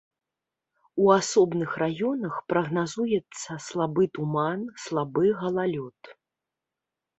У асобных раёнах прагназуецца слабы туман, слабы галалёд.